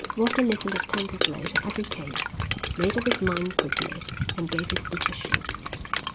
Walker listened attentively to every case, made up his mind quickly, and gave his decision.